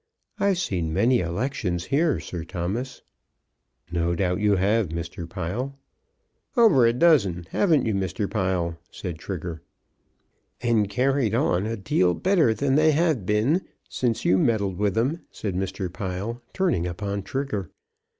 I've seen many elections here, Sir Thomas." "No doubt you have, Mr. Pile." "Over a dozen; haven't you, Mr. Pile?" said Trigger. "And carried on a deal better than they have been since you meddled with them," said Mr. Pile, turning upon Trigger.